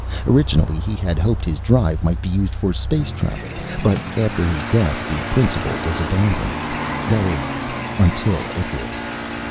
Originally, he had hoped his drive might be used for space travel. But after his death the principle was abandoned. "That is until Icarus.